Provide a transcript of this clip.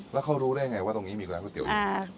แล้วเขารู้ได้ไงว่าตรงนี้มีร้านก๋วเตี๋อยู่